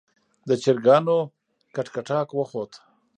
د چرګانو کټکټاک وخوت.